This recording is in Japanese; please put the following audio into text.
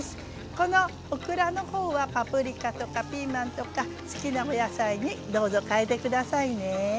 このオクラの方はパプリカとかピーマンとか好きなお野菜にどうぞ変えて下さいね。